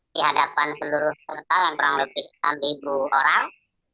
di hadapan seluruh sebetulnya kurang lebih seribu orang